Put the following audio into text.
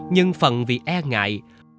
nhưng phần vì e ngại